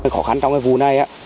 khó khăn trong cái vụ này